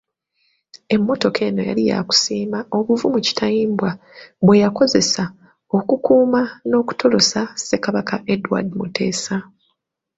Emmotoka eno yali yakusiima obuvumu Kitayimbwa bwe yakozesa okukuuma n’okutolosa Ssekabaka Edward Muteesa.